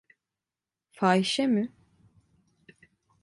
Fahişe mi?